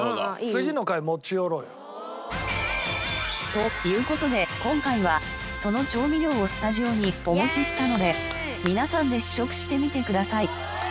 次の回持ち寄ろうよ。という事で今回はその調味料をスタジオにお持ちしたので皆さんで試食してみてください。